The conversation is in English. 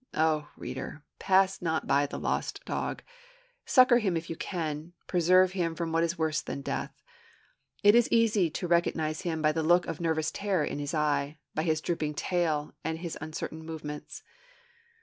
Oh, reader, pass not by the lost dog! Succor him if you can; preserve him from what is worse than death. It is easy to recognize him by the look of nervous terror in his eye, by his drooping tail, by his uncertain movements.